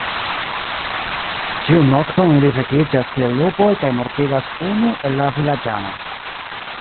Ĉiun nokton ili vekiĝas kiel lupoj kaj mortigas unu el la vilaĝanoj.